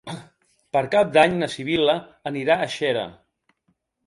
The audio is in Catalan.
Per Cap d'Any na Sibil·la anirà a Xera.